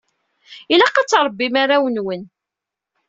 Ilaq ad trebbim arraw-nwen.